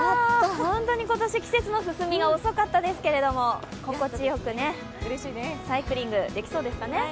本当に今年、季節の進み、遅かったですけれども心地よく、うれしいね、サイクリングできそうですかね。